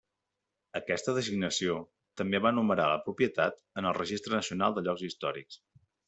Aquesta designació també va enumerar la propietat en el Registre Nacional de Llocs Històrics.